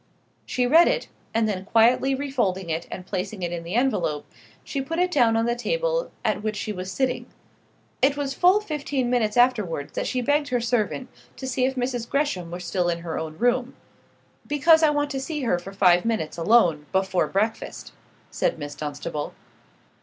She read it, and then quietly refolding it and placing it in the envelope, she put it down on the table at which she was sitting. It was full fifteen minutes afterwards that she begged her servant to see if Mrs. Gresham were still in her own room. "Because I want to see her for five minutes, alone, before breakfast," said Miss Dunstable.